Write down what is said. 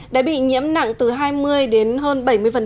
đã bị nhiễm nặng từ hai mươi đến hơn bảy mươi